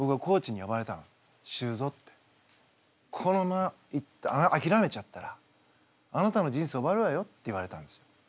「このままあきらめちゃったらあなたの人生終わるわよ」って言われたんですよ。